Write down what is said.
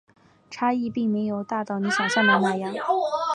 差异并没有大到你想像的那样